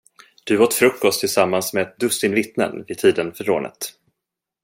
Du åt frukost tillsammans med ett dussin vittnen, vid tiden för rånet.